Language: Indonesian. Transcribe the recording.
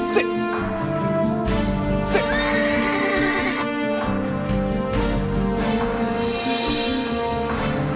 siapapun yang memurahi kakak